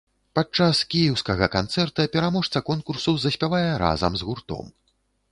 Падчас кіеўскага канцэрта пераможца конкурсу заспявае разам з гуртом.